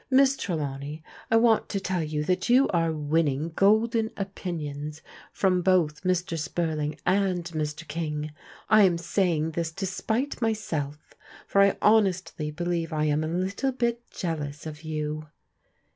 " Miss Trelawney, I want to tell you that you are winning golden opinions from both Mr. Spurling and Mr. King. I am saying this to spite myself, for I honestly believe I am a little bit jealous of you."